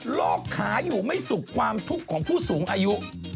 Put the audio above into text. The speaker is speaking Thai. ลอกขาอยู่ไม่สุขความทุกข์ของผู้สูงอายุ